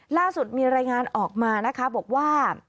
ล่าสุดมีรายงานออกมานะคะบอกว่า